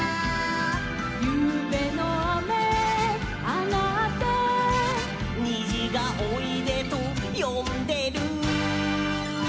「ゆうべのあめあがって」「にじがおいでとよんでる」